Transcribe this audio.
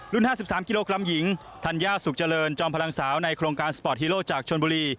๕๓กิโลกรัมหญิงธัญญาสุขเจริญจอมพลังสาวในโครงการสปอร์ตฮีโร่จากชนบุรี